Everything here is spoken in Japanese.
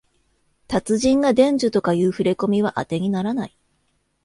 達人が伝授とかいうふれこみはあてにならない